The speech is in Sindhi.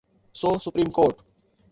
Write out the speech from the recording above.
So supreme court.